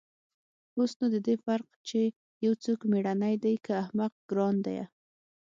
اوس نو د دې فرق چې يو څوک مېړنى دى که احمق گران ديه.